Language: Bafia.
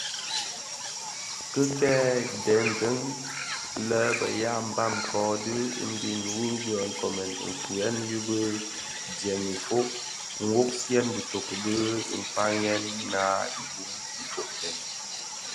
Ki kè dhëndèn lè be ya mbam ko dhi mbiň wu bë nkoomen nfuyen yi bi ndyem ufog, nwogsiyèn bitoki bi fañiyèn naa i bum ifogtèn.